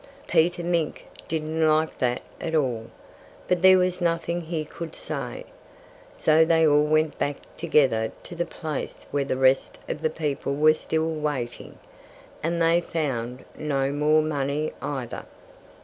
Peter Mink didn't like that at all. But there was nothing he could say. So they all went back together to the place where the rest of the people were still waiting. And they found no more money, either.